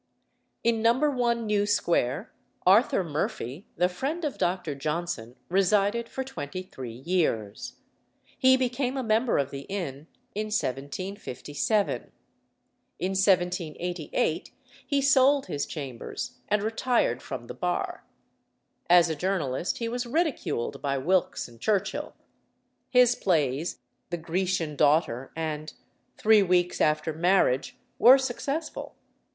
In No. 1 New Square, Arthur Murphy, the friend of Dr. Johnson, resided for twenty three years. He became a member of the inn in 1757. In 1788 he sold his chambers, and retired from the bar. As a journalist he was ridiculed by Wilkes and Churchill. His plays, "The Grecian Daughter" and "Three Weeks after Marriage," were successful.